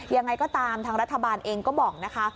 ยังไงก็ตามทางรัฐบาลเองก็บอกนะคะ